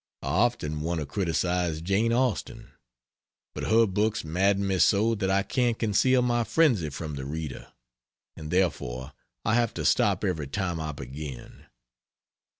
I often want to criticise Jane Austen, but her books madden me so that I can't conceal my frenzy from the reader; and therefore I have to stop every time I begin.